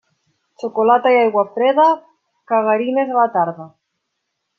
Xocolata i aigua freda, cagarines a la tarda.